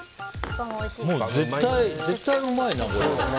もう絶対うまいなこれ。